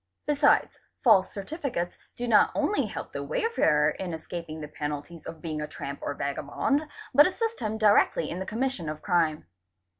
Besides, false certificates do not only help the wayfarer in escaping the penalties of being a tramp or vagabond, but assist him directly in the commission of crime.